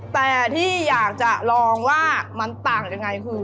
แต่ที่อยากจะลองว่ามันต่างยังไงคือ